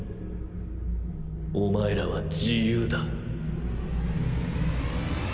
お前らは自由だ。